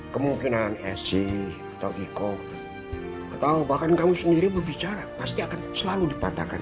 kemungkinan esi atau iko atau bahkan kamu sendiri berbicara pasti akan selalu dipatahkan